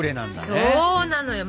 そうなのよ。